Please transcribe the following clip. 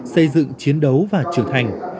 xây dựng chiến đấu và trưởng thành